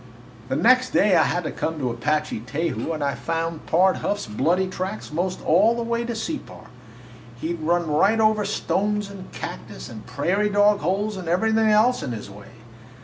"The next day I had to come to Apache Teju and I found Pard Huff's bloody tracks most all the way to Separ. He 'd run right over stones and cactus and prairie dog holes and everything else in his way.